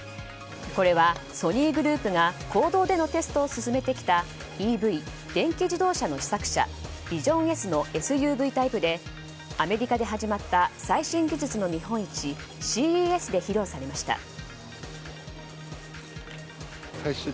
これはソニーグループが公道でのテストを進めてきたＥＶ・電気自動車の試作車ＶＩＳＩＯＮ‐ＳのＳＵＶタイプでアメリカで始まった最新技術の見本市ＣＥＳで披露されました。